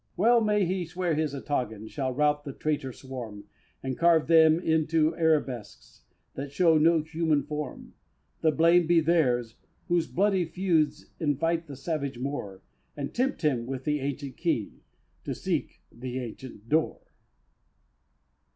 Well may he swear his ataghan Shall rout the traitor swarm, And carve them into Arabesques That show no human form The blame be theirs, whose bloody feuds Invite the savage Moor, And tempt him with the ancient Key To seek the ancient door!